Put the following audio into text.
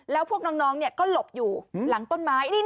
แล้วพวกน้องก็หลบอยู่หลังต้นไม้